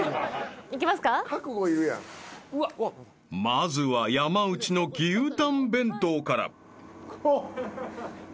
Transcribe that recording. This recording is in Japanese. ［まずは山内の牛タン弁当から］